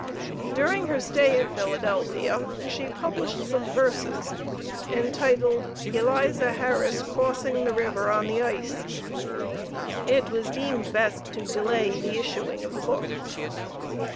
During her stay in Philadelphia she published some verses entitled, "Eliza Harris crossing the River on the Ice." It was deemed best to delay the issuing of the book.